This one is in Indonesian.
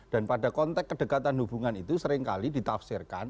dan pada konteks kedekatan hubungan itu seringkali ditafsirkan